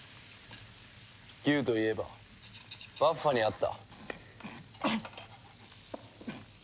牛といえばバッファに会った。